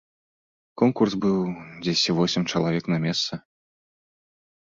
Конкурс быў дзесьці восем чалавек на месца.